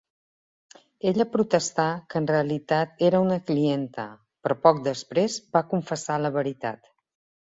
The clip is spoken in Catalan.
Ella protestà que en realitat era una clienta, però poc després va confessar la veritat.